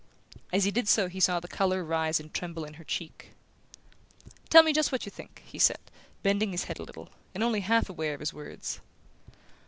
As he did so he saw the colour rise and tremble in her cheek. "Tell me just what you think," he said, bending his head a little, and only half aware of his words.